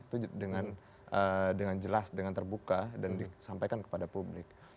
itu dengan jelas dengan terbuka dan disampaikan kepada publik